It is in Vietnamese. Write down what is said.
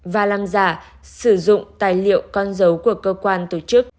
và làm giả sử dụng tài liệu con dấu của cơ quan tổ chức